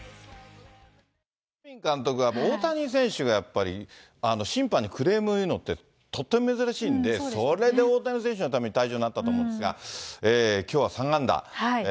ネビン監督は、大谷選手がやっぱり審判にクレーム言うのって、とっても珍しいんで、それで大谷選手のために退場になったと思うんですが、きょうは３安打。